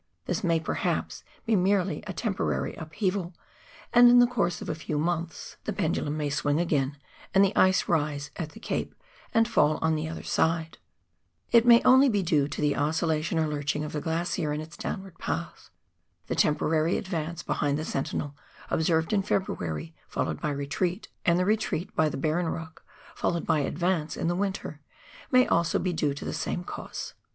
This may, perhaps, be merely a temporary upheaval, and in course of a few months the pendulum may 176 PIONEER WORK IN THE ALPS OF NEW ZEALAND, swing again, and tlie ice rise at the cape and fall on the other side. It may be only due to the oscillation or lurching of the glacier in its downward path. The temporary advance behind the Sentinel, observed in February, followed by retreat, and the retreat by the Barron E,ock followed by advance in the winter, may also be due to the same cause.